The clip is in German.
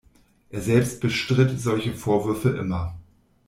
Er selbst bestritt solche Vorwürfe immer.